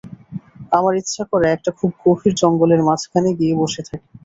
আমার ইচ্ছা করে, একটা খুব গভীর জঙ্গলের মাঝখানে গিয়ে বসে থাকি।